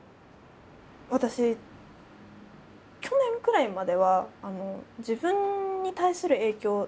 私去年くらいまでは自分に対する影響